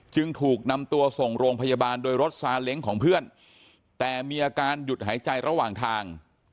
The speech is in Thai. จึงถูกนำตัวส่งโรงพยาบาลโดยรถซาเล้งของเพื่อนแต่มีอาการหยุดหายใจระหว่างทาง